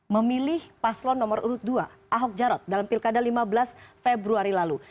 memilih paslon nomor urut dua ahok jarot dalam pilkada lima belas februari lalu